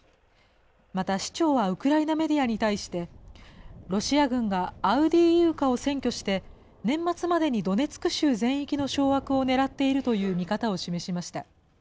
また市長はウクライナメディアに対して、ロシア軍がアウディーイウカを占拠して、年末までにドネツク州全域の掌握をねらっているという見方を示しました。